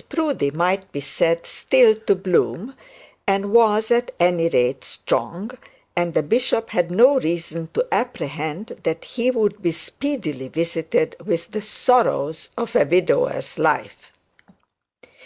Mrs Proudie might be said still to bloom, and was, at any rate, strong; and the bishop had no reason to apprehend that he would be speedily visited with the sorrows of a widower's life.